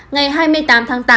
ngày hai mươi tám tháng tám